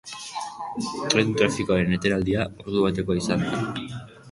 Tren trafikoaren etenaldia ordu batekoa izan da.